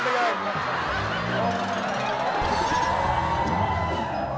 โคลน